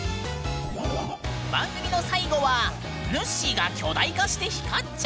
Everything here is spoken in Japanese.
番組の最後はぬっしーが巨大化して光っちゃう？